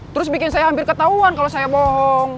terus bikin saya hampir ketahuan kalau saya bohong